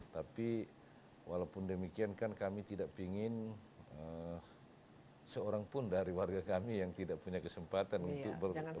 tapi walaupun demikian kan kami tidak ingin seorang pun dari warga kami yang tidak punya kesempatan untuk berkumpul